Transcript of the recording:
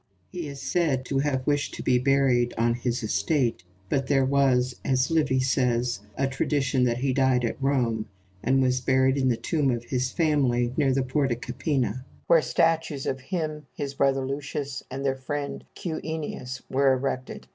He is said to have wished to be buried on his estate; but there was, as Livy says, a tradition that he died at Rome, and was buried in the tomb of his family near the Porta Capena, where statues of him, his brother Lucius, and their friend Q. Ennius, were erected.